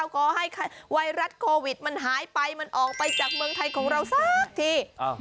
ก็ให้ไวรัสโควิดมันหายไปมันออกไปจากเมืองไทยของเราสักที